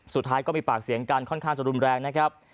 สุดท้ายก็มีปากเสียงกันค่อนข้างจะรุนแรงนะครับ